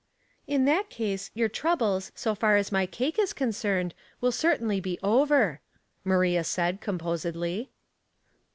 " In that case, your troubles, so far as my cake is concerned, will certainly be over," Maria said, composedly.